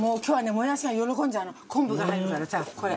もやしが喜んじゃうの昆布が入るからさこれ。